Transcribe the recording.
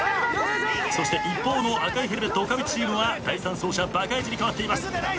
そして一方の赤いヘルメット岡部チームは第３走者バカイジに代わっています。